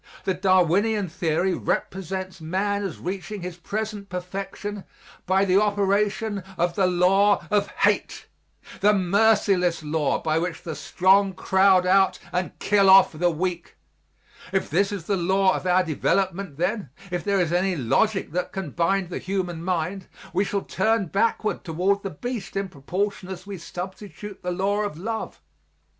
The Darwinian theory represents man as reaching his present perfection by the operation of the law of hate the merciless law by which the strong crowd out and kill off the weak. If this is the law of our development then, if there is any logic that can bind the human mind, we shall turn backward toward the beast in proportion as we substitute the law of love.